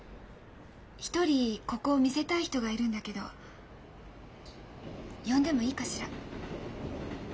一人ここを見せたい人がいるんだけど呼んでもいいかしら？